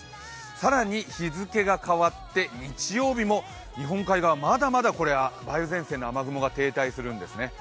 更に日付が変わって日曜日も日本海側、まだまだこれ、梅雨前線の雨雲が停滞するんですね。